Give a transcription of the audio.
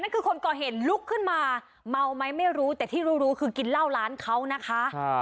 คนก่อเหตุลุกขึ้นมาเมาไหมไม่รู้แต่ที่รู้รู้คือกินเหล้าร้านเขานะคะ